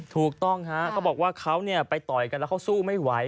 ถูกต้องฮะเขาบอกว่าเขาไปต่อยกันแล้วเขาสู้ไม่ไหว